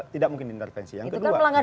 tidak mungkin diintervensi yang kedua